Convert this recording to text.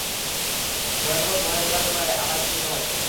ভয়ঙ্কর গুহায় ঢোকার ব্যাপারে আমার একটা নিয়ম আছে।